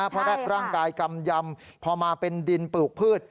เพราะแร็ดร่างกายกำยำพอมาเป็นดินปลูกพืช